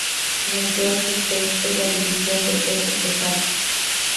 New York State en la división de peso pesado.